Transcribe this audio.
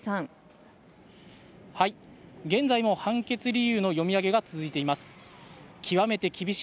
現在も判決理由の読み上げが続いています。